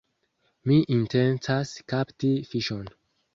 Mi intencas kapti fiŝon.